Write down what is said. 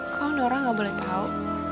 kau dan orang nggak boleh tahu